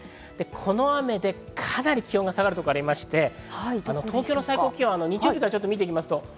この雨でかなり気温が下がるところがありまして、東京の最高気温、日曜日から見ていきます。